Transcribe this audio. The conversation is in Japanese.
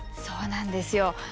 そうなんですよ。